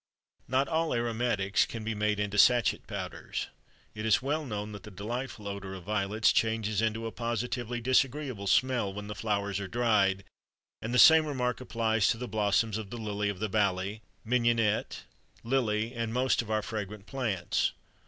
Not all aromatics can be made into sachet powders; it is well known that the delightful odor of violets changes into a positively disagreeable smell when the flowers are dried, and the same remark applies to the blossoms of the lily of the valley, mignonette, lily, and most of our fragrant plants.